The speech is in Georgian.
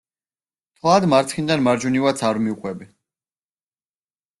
მთლად მარცხნიდან მარჯვნივაც არ მივყვები.